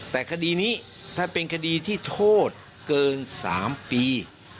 แต่คดีนี้ถ้าเป็นคดีที่โทษเกิน๓ปี